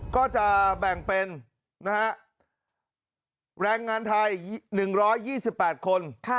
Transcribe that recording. ก็จะแบ่งเป็นแรงงานไทย๑๒๘คน